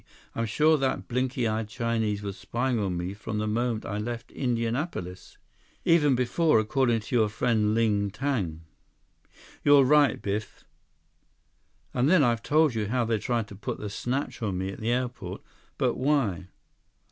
I'm sure that blinky eyed Chinese was spying on me from the moment I left Indianapolis. Even before, according to your friend Ling Tang." "You're right, Biff." "And then I've told you how they tried to put the snatch on me at the airport. But why?"